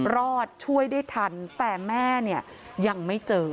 รอดช่วยได้ทันแต่แม่เนี่ยยังไม่เจอ